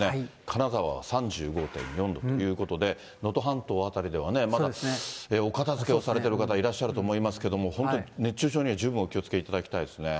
金沢は３５．４度ということで、能登半島辺りではね、まだお片づけをされてる方もいらっしゃると思いますけども、本当に熱中症には十分お気をつけいただきたいですね。